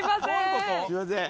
すいません。